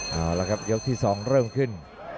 เอาละครับยกที่๒เริ่มขึ้น